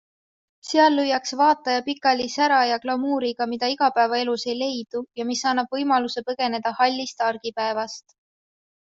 Seal lüüakse vaataja pikali sära ja glamuuriga, mida igapäevaelus ei leidu ja mis annab võimaluse põgeneda hallist argipäevast.